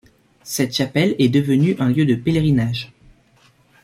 Cette chapelle est devenue un lieu de pèlerinage.